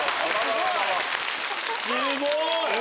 すごい！